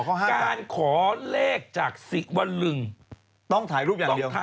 การขอเลขจากสิวัลลึงต้องถ่ายรูปอย่างเดียวค่ะ